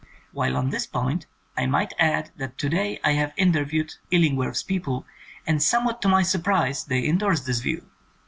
While on this point I might add that to day I have inter viewed lUingworth's people and somewhat to my surprise they endorsed this view.